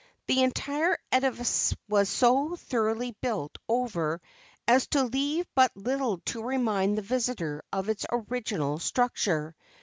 The entire edifice was so thoroughly built over as to leave but little to remind the visitor of the original structure.